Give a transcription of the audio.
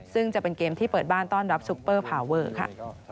ซึ่งจะเป็นเกมที่เปิดบ้านต้อนรับซุปเปอร์พาวเวอร์ค่ะ